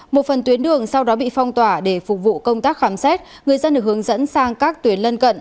một phần tuyến đường sau đó bị phong tỏa để phục vụ công tác khám xét người dân được hướng dẫn sang các tuyến lân cận